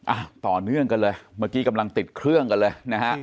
อ่ะต่อเนื่องกันเลยเมื่อกี้กำลังติดเครื่องกันเลยนะฮะ